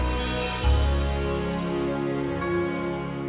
untuk diselamatkan kamu